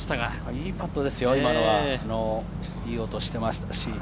いいパットですよ、いい音がしていましたし。